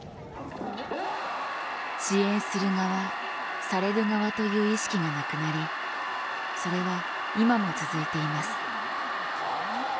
支援する側される側という意識がなくなりそれは今も続いています。